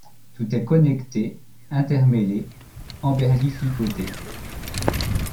Tout est connecté, intermêlé, emberlificoté.